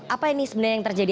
apa ini sebenarnya yang terjadi